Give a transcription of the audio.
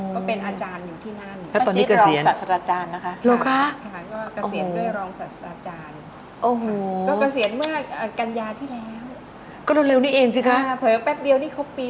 ก็เป็นอาจารย์อยู่ที่นั่นค่ะแล้วตอนนี้เกษียณ